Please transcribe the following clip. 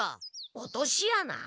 落とし穴？